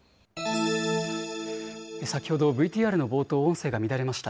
先ほどＶＴＲの冒頭、音声が乱れました。